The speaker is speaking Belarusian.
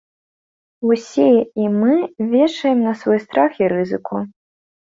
Усе, і мы, вешаем на свой страх і рызыку.